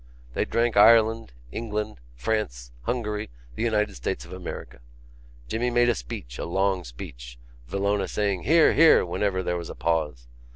They drank Ireland, England, France, Hungary, the United States of America. Jimmy made a speech, a long speech, Villona saying: "Hear! hear!" whenever there was a pause.